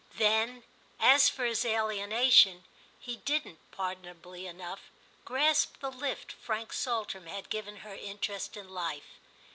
Then, as for his alienation, he didn't, pardonably enough, grasp the lift Frank Saltram had given her interest in life.